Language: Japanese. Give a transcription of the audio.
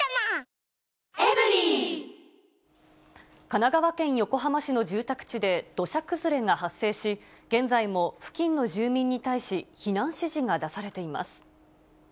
神奈川県横浜市の住宅地で土砂崩れが発生し、現在も付近の住民に対し、避難指示が出されています。